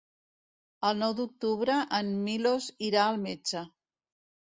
El nou d'octubre en Milos irà al metge.